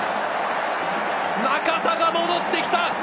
中田が戻ってきた！